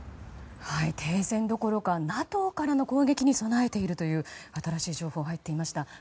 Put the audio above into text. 停戦どころかＮＡＴＯからの攻撃に備えているという新しい情報が入ってきました。